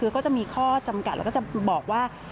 คือเขาจะมีข้อจำกัดแล้วก็จะบอกว่า